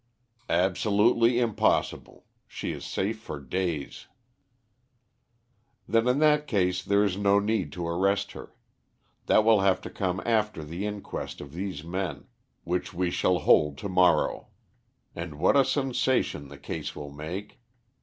"Absolutely impossible. She is safe for days." "Then in that case there is no need to arrest her. That will have to come after the inquest on these men, which we shall hold to morrow. And what a sensation the case will make!